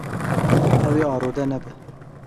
Ew ê arode nebe.